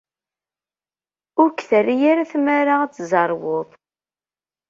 Ur k-terri ara tmara ad tzerwed.